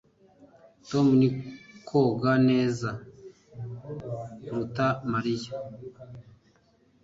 Tom ni koga neza kuruta Mariya